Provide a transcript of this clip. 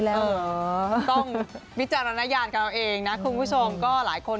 แล้วต้องวิจารณญาณกับเราเองนะคุณผู้ชมก็หลายคน